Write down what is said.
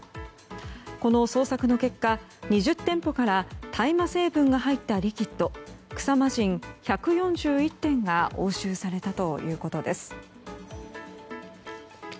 この捜索の結果、２０店舗から大麻成分が入ったリキッド草魔人１４１点が押収されたということです。